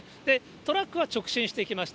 トラックは直進してきました。